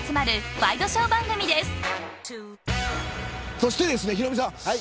そして、ヒロミさん。